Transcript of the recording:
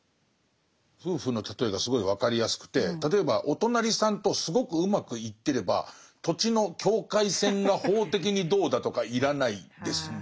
夫婦の例えがすごい分かりやすくて例えばお隣さんとすごくうまくいってれば土地の境界線が法的にどうだとか要らないですもんね。